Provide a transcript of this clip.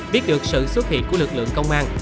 biết được sự xuất hiện của lực lượng công an